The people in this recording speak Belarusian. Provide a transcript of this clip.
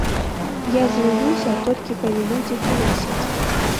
Я злуюся толькі калі людзі хлусяць.